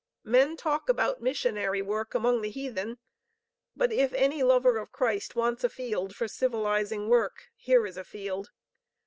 Men talk about missionary work among the heathen, but if any lover of Christ wants a field for civilizing work, here is a field.